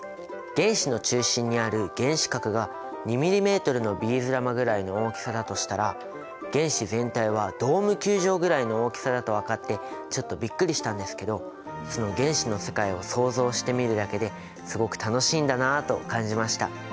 原子の中心にある原子核が２ミリメートルのビーズ玉ぐらいの大きさだとしたら原子全体はドーム球場ぐらいの大きさだと分かってちょっとびっくりしたんですけどその原子の世界を想像してみるだけですごく楽しいんだなと感じました。